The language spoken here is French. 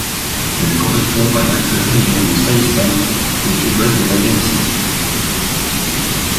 Elle correspond à l'actuelle région du Seistān au sud-ouest de l'Afghanistan.